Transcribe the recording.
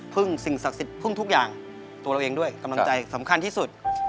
สิ่งศักดิ์สิทธิพึ่งทุกอย่างตัวเราเองด้วยกำลังใจสำคัญที่สุด